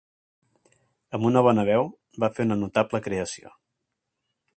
Amb una bona veu, va fer una notable creació.